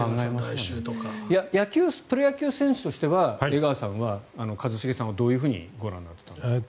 プロ野球選手としては江川さんは一茂さんはどうご覧になられてるんですか？